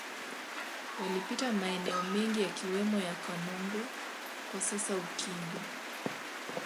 Walipita maeneo mengi yakiwemo ya Kanongo kwa sasa Ukimbu